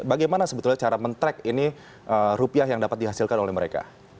bagaimana sebetulnya cara men track ini rupiah yang dapat dihasilkan oleh mereka